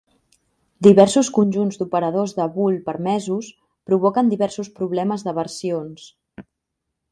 Diversos conjunts d'operadors de Boole permesos provoquen diversos problemes de versions.